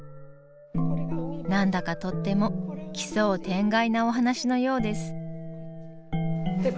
なんだかとっても奇想天外なお話のようです。